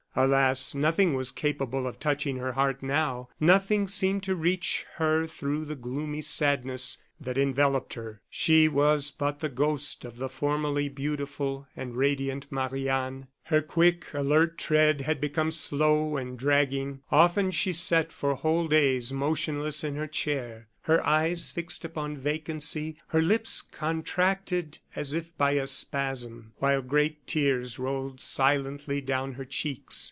Alas! nothing was capable of touching her heart now; nothing seemed to reach her through the gloomy sadness that enveloped her. She was but the ghost of the formerly beautiful and radiant Marie Anne. Her quick, alert tread had become slow and dragging, often she sat for whole days motionless in her chair, her eyes fixed upon vacancy, her lips contracted as if by a spasm, while great tears rolled silently down her cheeks.